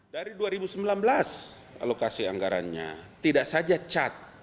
dari dua ribu sembilan belas alokasi anggarannya tidak saja cat